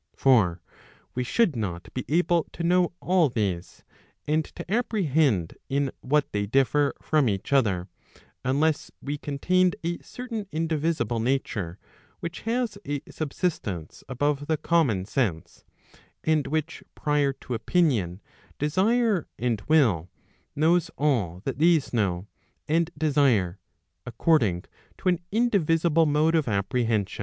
For we should not be able to know all these, and to apprehend in what they differ from each other, unless we contained a certain indivisible nature, which has a subsistence above the common sense, and which prior to opinion, desire and will, knows all that these know and desire, according to an indivisible mode of apprehension.